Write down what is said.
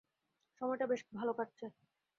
সময়টা বেশ ভালো কাটছে।